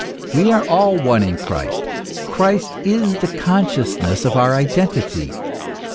We are all one in Christ. Christ is the consciousness of our identity.